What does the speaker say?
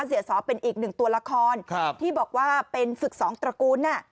เสียสอเป็นอีกหนึ่งตัวละครที่บอกว่าเป็นฝึกสองตระกูล